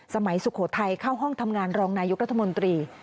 สุโขทัยเข้าห้องทำงานรองนายกรัฐมนตรี